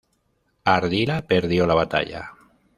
Ardila perdió la batalla.